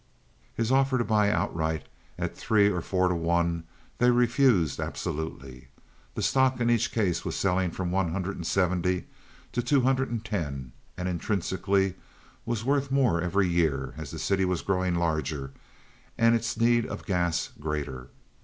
His offer to buy outright at three or four for one they refused absolutely. The stock in each case was selling from one hundred and seventy to two hundred and ten, and intrinsically was worth more every year, as the city was growing larger and its need of gas greater.